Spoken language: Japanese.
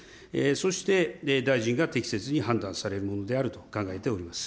そして大臣が適切に判断されるものであると考えております。